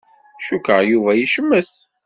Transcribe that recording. Cukkeɣ Yuba yecmet.